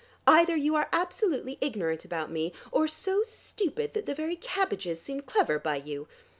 Either you are absolutely ignorant about me, or so stupid that the very cabbages seem clever by you.